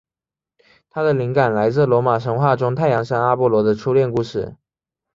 它的灵感来自罗马神话中太阳神阿波罗的初恋故事。